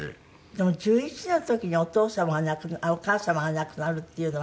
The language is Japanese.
でも１１の時にお父様がお母様が亡くなるっていうのは。